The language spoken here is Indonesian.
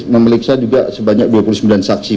memeriksa juga sebanyak dua puluh sembilan saksi